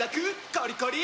コリコリ！